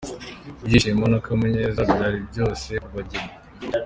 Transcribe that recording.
Ibyishimo n'akanyamuneza byari byose ku bageni.